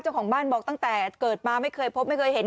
เจ้าของบ้านบอกตั้งแต่เกิดมาไม่เคยพบไม่เคยเห็น